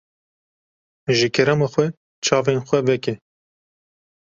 Ji kerema xwe, çavên xwe veke.